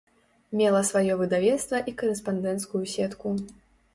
Мела сваё выдавецтва і карэспандэнцкую сетку.